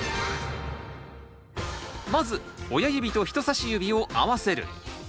まず親指と人さし指を合わせる。